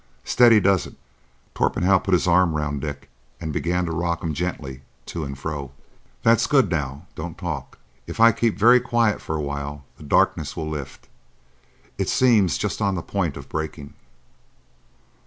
"Steady does it." Torpenhow put his arm round Dick and began to rock him gently to and fro. "That's good. Now don't talk. If I keep very quiet for a while, this darkness will lift. It seems just on the point of breaking.